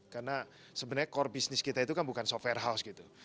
karena sebenarnya core bisnis kita itu kan bukan software house gitu